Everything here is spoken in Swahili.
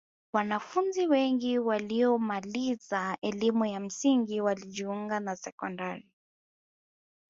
wanafunzi wengi waliyomaliza elimu ya msingi walijiunga na sekondari